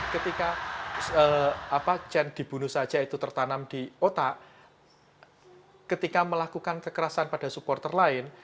ketika chen dibunuh saja itu tertanam di otak ketika melakukan kekerasan pada supporter lain